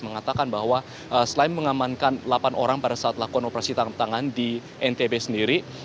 mengatakan bahwa selain mengamankan delapan orang pada saat lakukan operasi tangkap tangan di ntb sendiri